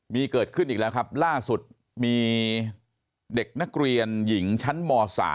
มีเกิดขึ้นอีกแล้วครับล่าสุดมีเด็กนักเรียนหญิงชั้นม๓